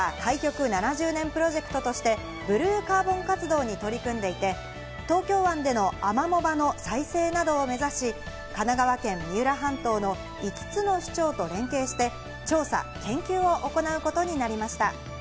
日本テレビは開局７０年プロジェクトとしてブルーカーボン活動に取り組んでいて、東京湾でのアマモ場の再生などを目指し、神奈川県三浦半島の５つの市町と連携した調査、点検、研究を行うことになりました。